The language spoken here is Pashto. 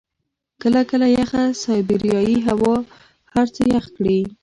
کله کله یخه سایبریايي هوا هر څه يخ کړي.